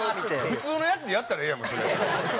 普通のやつでやったらええやんもうそれやったら。